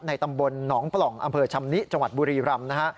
ตำบลหนองปล่องอำเภอชำนิจังหวัดบุรีรำนะฮะ